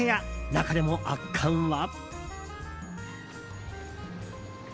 中でも圧巻は。